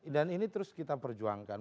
dan ini terus kita perjuangkan